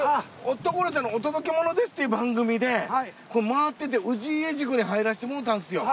所さんの『お届けモノです！』という番組で回ってて氏家宿に入らせてもろうたんですよ。